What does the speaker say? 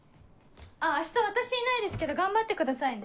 あっ明日私いないですけど頑張ってくださいね。